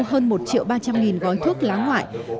hơn một ba trăm linh gói thuốc lá ngoại